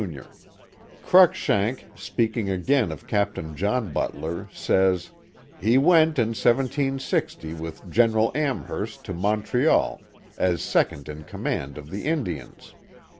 Cruikshank, speaking again of Captain John Butler, says: He went in 1760 with Oeneral Amherst to Montreal, as second in command of the Indians.